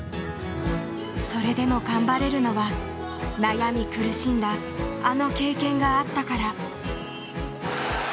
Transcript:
それでも頑張れるのは悩み苦しんだあの経験があったから。